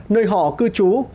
nơi họ cư trú